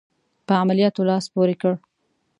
په عملیاتو لاس پوري کړ.